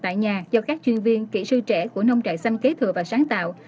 tại nhà cho các chuyên viên kỹ sư trẻ của nông trại xanh kế thừa và sáng tạo